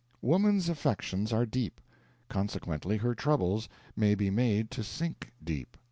Woman's affections are deep, consequently her troubles may be made to sink deep.